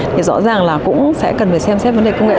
thì rõ ràng là cũng sẽ cần phải xem xét vấn đề công nghệ